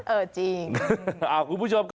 เออจริงคุณผู้ชมก็